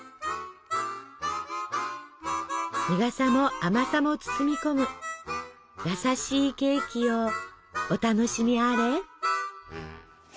苦さも甘さも包み込む優しいケーキをお楽しみあれ。